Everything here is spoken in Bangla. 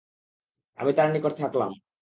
আমি তাঁর নিকট থাকলাম।